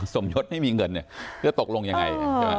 สมยศไม่มีเงินเนี่ยจะตกลงยังไง